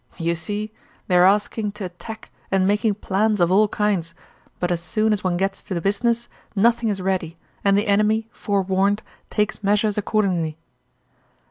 "You see! They are asking to attack and making plans of all kinds, but as soon as one gets to business nothing is ready, and the enemy, forewarned, takes measures accordingly."